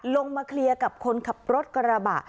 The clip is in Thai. ลงมาเคลียร์กับคนขับรถกระบะ